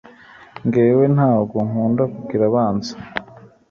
ngewe ntago nkunda kugira abanzi